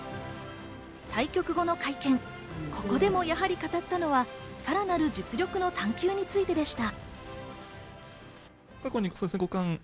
対局後の会見、ここでもやはり語ったのは、さらなる実力の探求についてでした。